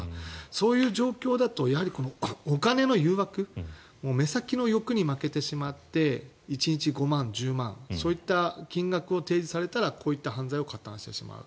そういう状況だとお金の誘惑、目先の欲に負けて１日５万、１０万そういった金額を提示されたら犯罪に加担してしまう。